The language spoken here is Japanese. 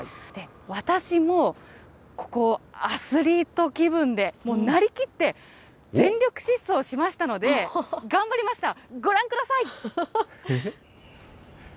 私も、ここ、アスリート気分で、もうなりきって、全力疾走しましたので、頑張りました。